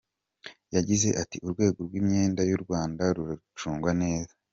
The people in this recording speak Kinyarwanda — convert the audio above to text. Yagize ati “Urwego rw’imyenda y’u Rwanda rucungwa neza.